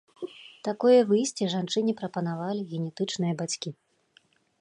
Такое выйсце жанчыне прапанавалі генетычныя бацькі.